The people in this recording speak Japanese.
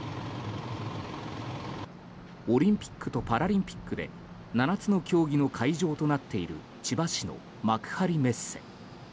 オリンピックとパラリンピックで７つの競技の会場となっている千葉市の幕張メッセ。